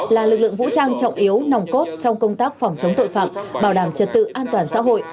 là lực lượng vũ trang trọng yếu nòng cốt trong công tác phòng chống tội phạm bảo đảm trật tự an toàn xã hội